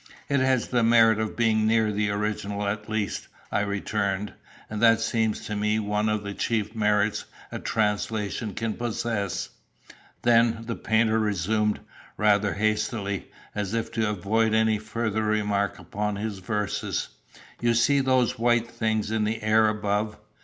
"It has the merit of being near the original at least," I returned; "and that seems to me one of the chief merits a translation can possess." "Then," the painter resumed, rather hastily, as if to avoid any further remark upon his verses, "you see those white things in the air above?"